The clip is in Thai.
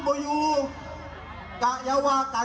มันบอกว่าคุกค้า